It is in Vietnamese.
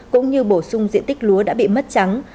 cũng như bổ sung diện tích lúa đã bị mất trắng